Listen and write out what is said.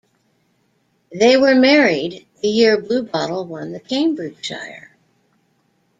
They were married "the year Bluebottle won the Cambridgeshire".